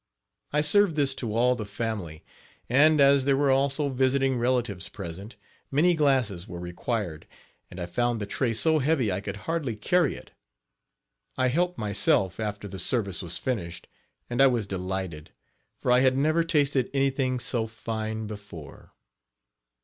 I served this to all the family, and, as there were also visiting relatives present, many glasses were required, and I found the tray so heavy I could hardly carry it. I helped myself, after the service was finished, and I was delighted, for I had never tasted anything so fine before.